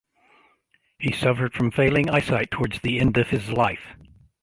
He suffered from failing eyesight towards the end of his life.